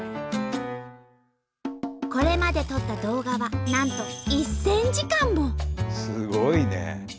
これまで撮った動画はなんとすごいね！